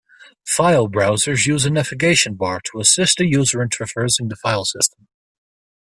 File browsers use a navigation bar to assist the user in traversing the filesystem.